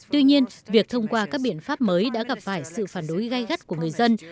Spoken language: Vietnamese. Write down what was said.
tuy nhiên việc thông qua các biện pháp mới đã gặp phải sự phản đối gây gắt của người dân